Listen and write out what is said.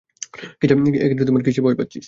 কিসের ভয় পাচ্ছিস?